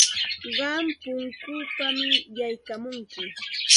Qam punkunpam yaykamunki.